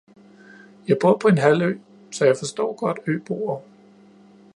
Jeg bor på en halvø, så jeg forstår godt øboere.